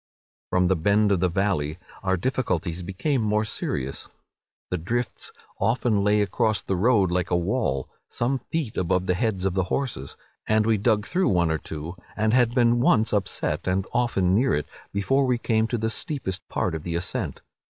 "From the bend of the valley our difficulties became more serious. The drifts often lay across the road like a wall, some feet above the heads of the horses; and we had dug through one or two, and had been once upset, and often near it, before we came to the steepest part of the ascent.